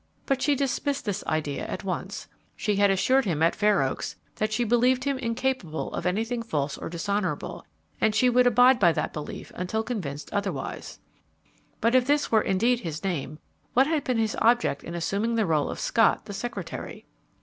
But she dismissed this idea at once. She had assured him at Fair Oaks that she believed him incapable of anything false or dishonorable, and she would abide by that belief until convinced otherwise. But if this were indeed his name, what had been his object in assuming the role of Scott, the secretary?